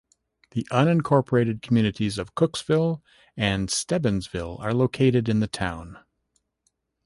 The unincorporated communities of Cooksville and Stebbinsville are located in the town.